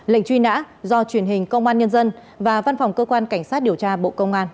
lệnh truy nã do truyền hình công an nhân dân và văn phòng cơ quan cảnh sát điều tra bộ công an